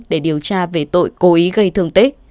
để điều tra về tội cố ý gây thương tích